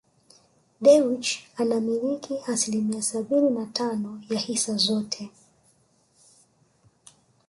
Dewji anamiliki asilimia sabini na tano ya hisa zote